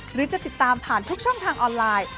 หรือจะติดตามผ่านทุกช่องทางออนไลน์